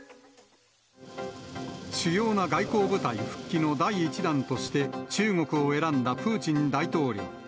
主要な外交舞台復帰の第１弾として、中国を選んだプーチン大統領。